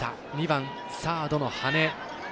２番、サードの羽根。